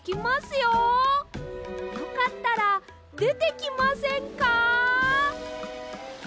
よかったらでてきませんか？